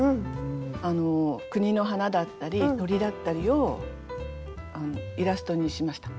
あの国の花だったり鳥だったりをイラストにしました。